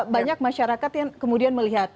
banyak masyarakat yang kemudian melihat